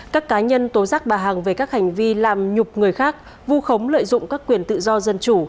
các cá nhân tố giác bà hằng về các hành vi làm nhục người khác vu khống lợi dụng các quyền tự do dân chủ